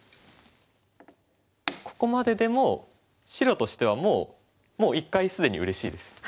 ここまででもう白としてはもう一回既にうれしいです。